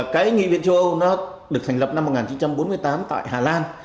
cái nghị viện châu âu nó được thành lập năm một nghìn chín trăm bốn mươi tám tại hà lan